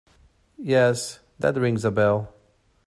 Yes, that rings a bell.